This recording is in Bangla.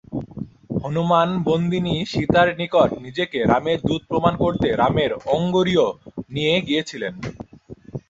হনুমান বন্দিনী সীতার নিকট নিজেকে রামের দূত প্রমাণ করতে রামের অঙ্গুরীয় নিয়ে গিয়েছিল।